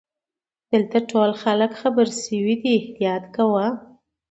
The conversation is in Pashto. دلته ټول خلګ خبرشوي دي احتیاط کوه.